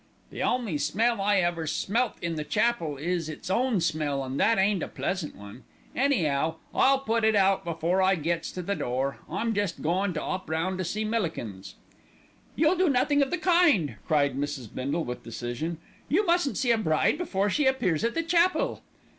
"The only smell I ever smelt in that chapel is its own smell, and that ain't a pleasant one. Any'ow, I'll put it out before I gets to the door. I'm jest goin' to 'op round to see Millikins." "You'll do nothing of the kind," cried Mrs. Bindle with decision. "You mustn't see a bride before she appears at the chapel."